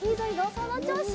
そのちょうし。